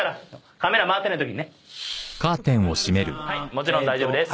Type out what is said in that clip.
もちろん大丈夫です。